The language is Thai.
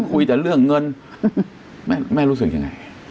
คุยแต่เรื่องเงินแม่แม่รู้สึกยังไง